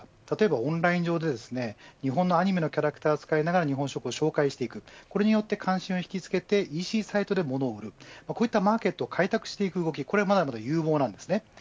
例えばオンライン上で日本のアニメのキャラクターを使いながら日本食を紹介するそれにより関心を引きつけてＥＣサイトで物を売るそうしたマーケットを開拓する動きがまだまだ有用です。